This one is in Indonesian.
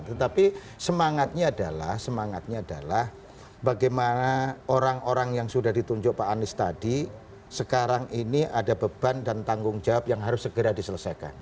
tetapi semangatnya adalah semangatnya adalah bagaimana orang orang yang sudah ditunjuk pak anies tadi sekarang ini ada beban dan tanggung jawab yang harus segera diselesaikan